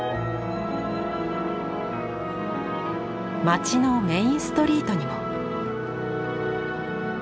街のメインストリートにも。